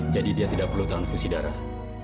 jadi dia tidak perlu transfusi darah